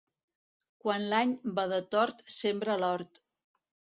Quan l'any va de tort sembra l'hort.